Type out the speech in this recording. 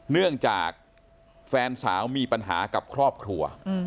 เนื่องจากแฟนสาวมีปัญหากับครอบครัว